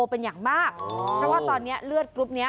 เป็นอย่างมากเพราะว่าตอนนี้เลือดกรุ๊ปนี้